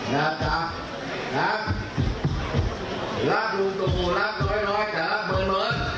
นะครับรับลุงตูรับน้อยแต่รับเบิร์น